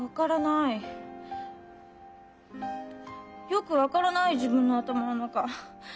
よく分からない自分の頭の中。